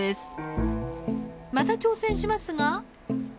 また挑戦しますが。